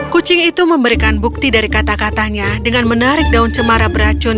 kucing itu memberikan bukti dari kata katanya dengan menarik daun cemara beracun